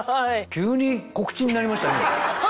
急に告知になりましたね。